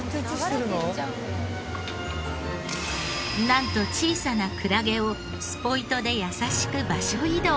なんと小さなクラゲをスポイトで優しく場所移動。